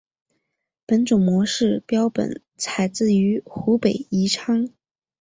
本种模式标本采自于湖北宜昌。